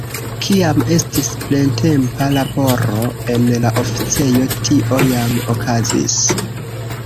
Kiam estis plentempa laboro en la oficejo, tio jam okazis.